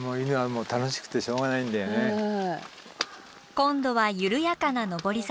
今度は緩やかな上り坂。